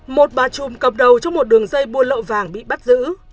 một bà trùm cầm đầu trong một đường dây buôn lậu vàng bị bắt giữ